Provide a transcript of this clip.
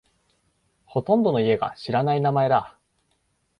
ほとんどの家が知らない名前だ。